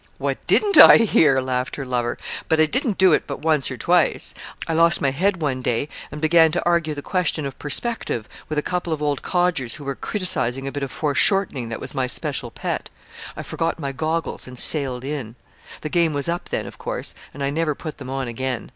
"What didn't I hear?" laughed her lover. "But I didn't do it but once or twice. I lost my head one day and began to argue the question of perspective with a couple of old codgers who were criticizing a bit of foreshortening that was my special pet. I forgot my goggles and sailed in. The game was up then, of course; and I never put them on again.